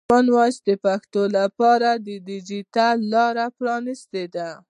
کامن وایس د پښتو لپاره د ډیجیټل لاره پرانستې ده.